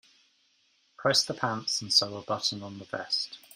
Press the pants and sew a button on the vest.